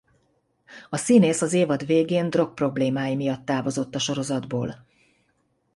A színész az évad végén drogproblémái miatt távozott a sorozatból.